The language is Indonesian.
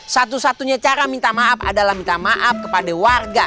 satu satunya cara minta maaf adalah minta maaf kepada warga